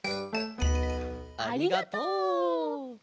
ありがとう。